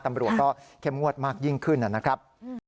ตำรวจก็เข้มงวดมากยิ่งขึ้นนะครับ